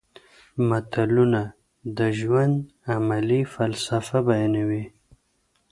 متلونه د ژوند عملي فلسفه بیانوي